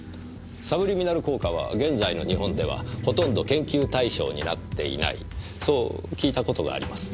サブリミナル効果は現在の日本ではほとんど研究対象になっていないそう聞いたことがあります。